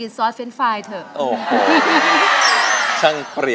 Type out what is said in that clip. อเรนนี่ต้องร้องเพลงอเรนนี่ต้องร้องเพลงอเรนนี่ต้องร้องเพลง๑๙